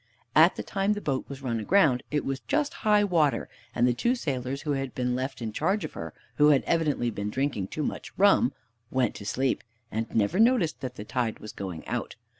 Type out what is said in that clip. At the time the boat was run aground, it was just high water, and the two sailors who had been left in charge of her, and who had evidently been drinking too much rum, went to sleep, and never noticed that the tide was going out.